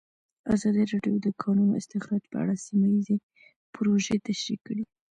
ازادي راډیو د د کانونو استخراج په اړه سیمه ییزې پروژې تشریح کړې.